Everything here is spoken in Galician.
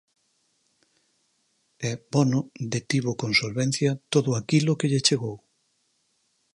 E Bono detivo con solvencia todo aquilo que lle chegou.